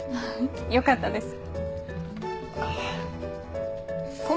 よかったです。